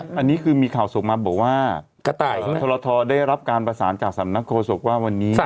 อันนี้คือมีข่าวส่งมาบอกว่ากระต่ายทรทได้รับการประสานจากสำนักโฆษกว่าวันนี้